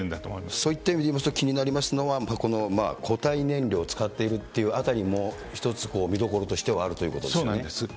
そういった意味でいいますと気になりますのは、この固体燃料を使っているというあたりも、一つ見どころとしてはあるということですね。